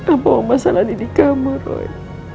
apa mama salah didikamu roy